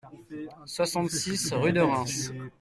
soixante-six rue de Reims